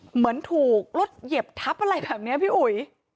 เหมือนถูกรถเหยียบทับอะไรแบบนี้พี่อุ๋ย